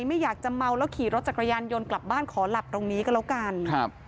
ไม่อยากจะเมาแล้วขี่รถจักรยานยนต์กลับบ้านขอหลับตรงนี้ก็แล้วกันครับ